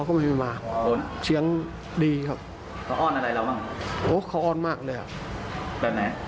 ครับเป็นโสดยังไม่มีแม่อะไรครับอยู่คนเดียวอะ